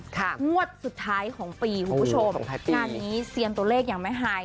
งวดสุดท้ายของปีคุณผู้ชมงานนี้เซียนตัวเลขอย่างแม่ไฮ